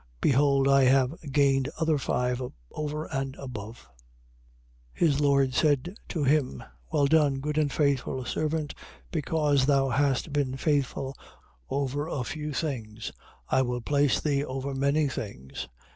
Behold I have gained other five over and above. 25:21. His lord said to him: Well done, good and faithful servant, because thou hast been faithful over a few things, I will place thee over many things.